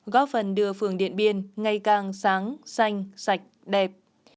góp phần đưa phường điện biên ngày càng sáng xanh sạch đẹp